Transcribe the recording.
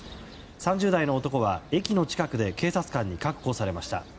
３０代の男は駅の近くで警察官に確保されました。